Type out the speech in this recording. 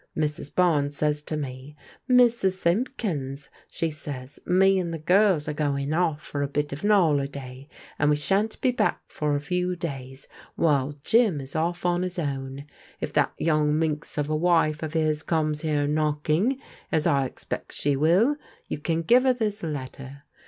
MrsL Bames says to me, ' Mrs. Simpkins,' s&e saTs» * me and the giils are going oflF for a bit of an *OLMiaT, and we shan*t be bade for a few dajrs, while Jim is off OQ his owTL If that yoang nunx of a wife of his cocnes here ii i r i cting, as I expect she will, jrou can give her this letter.